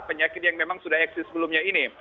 penyakit yang memang sudah eksis sebelumnya ini